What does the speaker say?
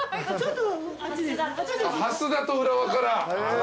蓮田と浦和から。